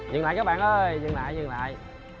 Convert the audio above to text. dừng lại các bạn ơi dừng lại dừng lại